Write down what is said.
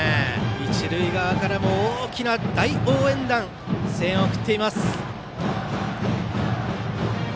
一塁側からも大きな大応援団声援を送っています。